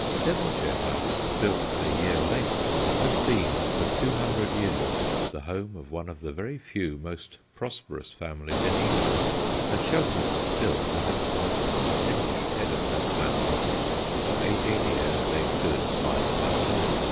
Devonshire House, built a year later, has been for two hundred years the home of one of the very few most pros perous families in England, and shelters still perhaps the most distinguished head of that family. For eighteen years they stood side by side.